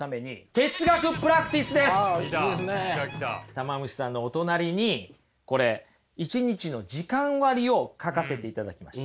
たま虫さんのお隣にこれ一日の時間割を書かせていただきました。